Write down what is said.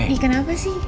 adi kenapa sih